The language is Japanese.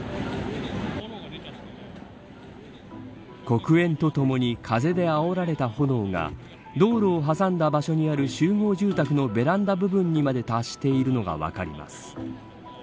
黒煙とともに風であおられた炎が道路を挟んだ場所にある集合住宅のベランダ部分にまで達しているのが分かります。